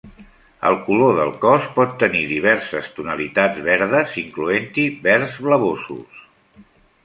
El color del cos pot tenir diverses tonalitats verdes, incloent-hi verds blavosos.